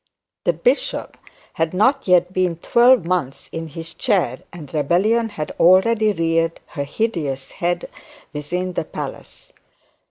The bishop had not yet been twelve months in this chair, and rebellion had already reared her hideous head within the palace.